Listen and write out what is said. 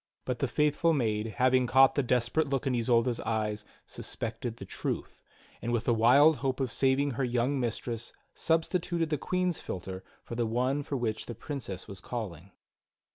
But the faithful maid, having caught the desperate look in Isolda's eyes, suspected the truth, and with the wild hope of saving her young mistress substituted the Queen's philtre for the one for which the Princess was calling.